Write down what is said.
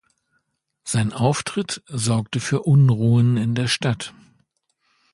Sein Auftritt sorgte für Unruhen in der Stadt.